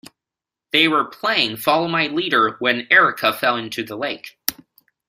They were playing follow my leader when Erica fell into the lake.